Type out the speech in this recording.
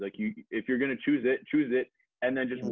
dan kemudian bekerja dengan sangat keras